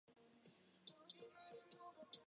Bismarck's "Culture Struggle" was largely a failure.